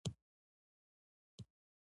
دا ټول هغه سانسکریت نومونه دي،